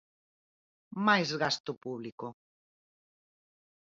¡Máis gasto público!